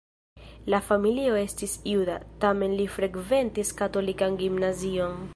La familio estis juda, tamen li frekventis katolikan gimnazion.